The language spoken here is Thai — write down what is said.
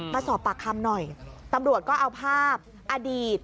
มาสอบปากคำหน่อยตำรวจก็เอาภาพอดีต